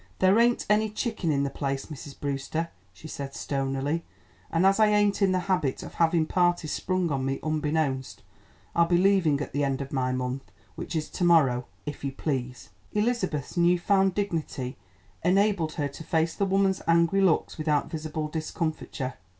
"There ain't any chicken in the place, Mrs. Brewster," she said stonily; "an' as I ain't in the habit of havin' parties sprung on me unbeknownst, I'll be leaving at the end of my month, which is to morrow if you please." Elizabeth's new found dignity enabled her to face the woman's angry looks without visible discomfiture.